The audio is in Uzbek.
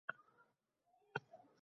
Mening chekimga qurilish tushdi.